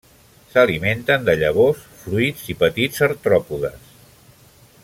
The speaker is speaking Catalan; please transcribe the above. S'alimenten de llavors, fruits i petits artròpodes.